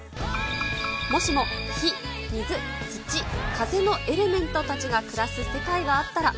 もしも火、水、土、風のエレメントたちが暮らす世界があったら。